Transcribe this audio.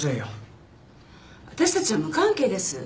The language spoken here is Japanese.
私たちは無関係です！